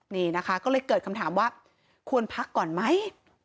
นี่นะคะก็เลยเกิดคำถามว่าควรพักก่อนไหม